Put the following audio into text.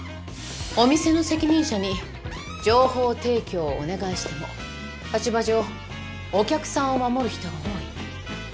お店の責任者に情報提供をお願いしても立場上お客さんを守る人が多い。